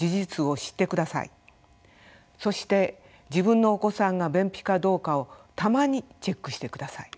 そして自分のお子さんが便秘かどうかをたまにチェックしてください。